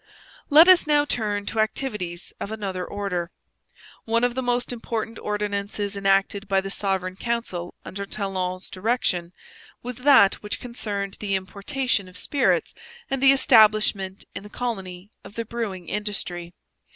Let us now turn to activities of another order. One of the most important ordinances enacted by the Sovereign Council under Talon's direction was that which concerned the importation of spirits and the establishment in the colony of the brewing industry.